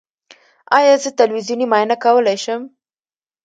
ایا زه تلویزیوني معاینه کولی شم؟